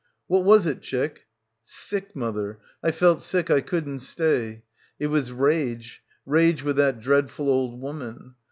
... What was it, chick? ... Sick, mother, I felt sick, I couldn't stay. It was rage; rage with that dreadful old woman.